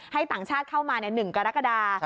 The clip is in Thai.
ให้ต่างชาติเข้ามาที่๑กรกฎา